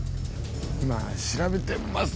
今調べてます。